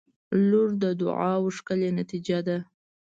• لور د دعاوو ښکلی نتیجه ده.